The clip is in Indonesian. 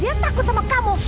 dia takut sama kamu